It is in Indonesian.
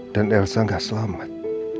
dan elsa gak selamat